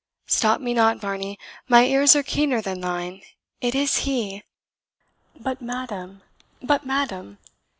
"Stop me not, Varney my ears are keener than thine. It is he!" "But, madam! but, madam!"